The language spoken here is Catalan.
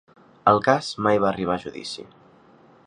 El cas mai va arribar a judici.